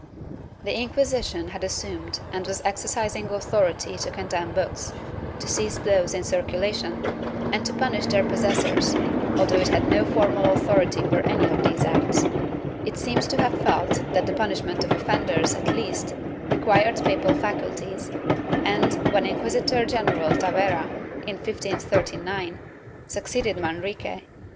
^ The Inquisition had assumed and was exercising authority to condemn books, to seize those in circulation and to punish their possessors, although it had no formal authority for any of these acts. It seems to have felt that the punishment of offenders, at least, required papal faculties and, when Inquisitor general Tavera, in 1539, succeeded Manrique, a clause was inserted in his com ^ Archive de Simancas, Inq.